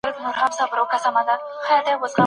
يووالی مو بريا تضمينوي.